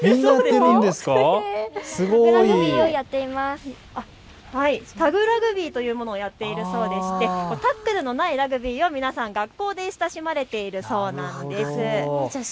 すごい。タグラグビーというものをやっているそうでしてタックルのないラグビーは皆さん学校で親しまれているそうなんです。